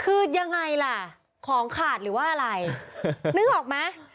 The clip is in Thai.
คือยังไงล่ะของขาดหรือว่าอะไรนึกออกไหม